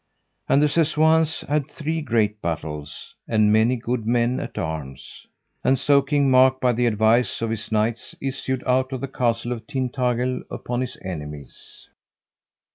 And the Sessoins had three great battles, and many good men of arms. And so King Mark by the advice of his knights issued out of the Castle of Tintagil upon his enemies.